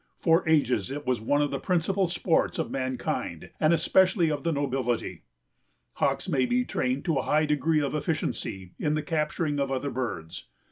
For ages it was one of the principal sports of mankind and especially of the nobility. Hawks may be trained to a high degree of efficiency in the capturing of other birds.